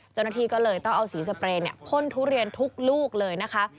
เจ้าหน้าที่ก็เลยต้องเอาสีสเปรย์พ่นทุเรียนทุกลูกเลยนะคะ